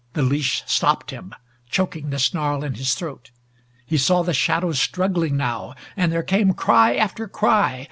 The leash stopped him, choking the snarl in his throat. He saw the shadows struggling now, and there came cry after cry.